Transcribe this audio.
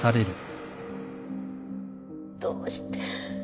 どうして？